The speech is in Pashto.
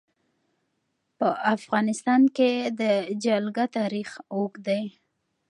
په افغانستان کې د جلګه تاریخ اوږد دی.